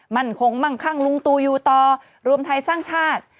มั่นคงมั่งคั่งลุงตูอยู่ต่อรวมไทยสร้างชาติ